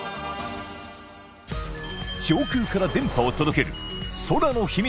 上空から電波を届ける空の秘密